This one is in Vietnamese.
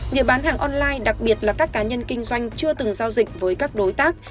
người bán hàng online đặc biệt là các cá nhân kinh doanh chưa từng giao dịch với các đối tác